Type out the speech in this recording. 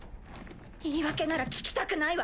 言い訳なら聞きたくないわ。